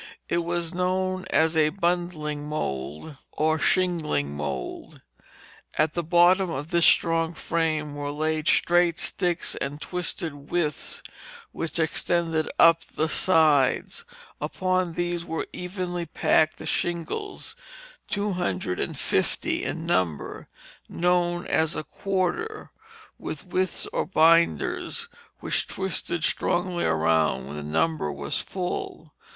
It was known as a bundling mould or shingling mould. At the bottom of this strong frame were laid straight sticks and twisted withes which extended up the sides. Upon these were evenly packed the shingles, two hundred and fifty in number, known as a "quarter." The withes or "binders" were twisted strongly around when the number was full.